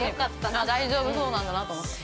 ◆大丈夫そうなんだなって。